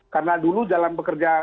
karena dulu dalam bekerja